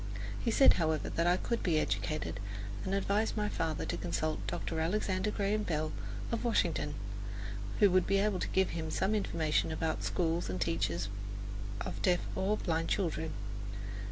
He said, however, that I could be educated, and advised my father to consult Dr. Alexander Graham Bell of Washington, who would be able to give him information about schools and teachers of deaf or blind children.